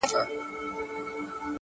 خدای په ژړا دی ـ خدای پرېشان دی ـ